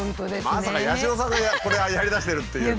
まさか八代さんがこれやりだしてるっていう。